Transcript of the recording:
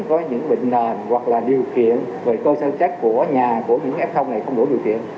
có những bệnh nền hoặc là điều kiện về cơ sở chất của nhà của những f này không đủ điều kiện